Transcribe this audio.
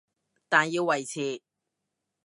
但要維持